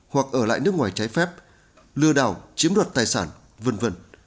hoặc ở lại nước ngoài trái phép lừa đảo chiếm đoạt tài sản v v